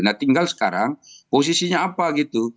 nah tinggal sekarang posisinya apa gitu